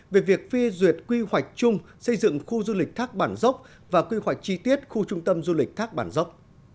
về việc phê duyệt quy hoạch chung xây dựng khu du lịch thác bản dốc và quy hoạch chi tiết khu trung tâm du lịch thác bản dốc